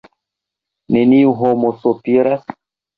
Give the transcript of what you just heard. neniu homo sopiras?